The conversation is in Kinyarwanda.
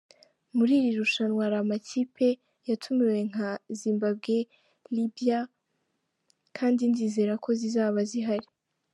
Muri iri rushanwa hari amakipe yatumiwe nka Zimbabwe, Libya kandi ndizera ko zizaba zihari.”